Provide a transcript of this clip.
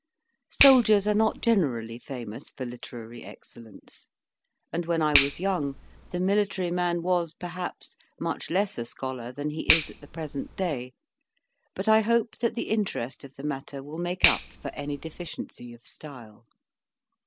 Soldiers are not generally famous for literary excellence, and when I was young, the military man was, perhaps, much less a scholar than he is at the present day; but I hope that the interest of the matter will make up for any deficiency of style.